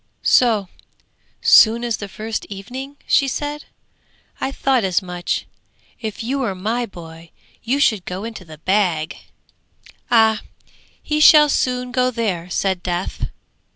'So soon as the first evening!' she said. 'I thought as much; if you were my boy, you should go into the bag!' 'Ah, he shall soon go there!' said Death.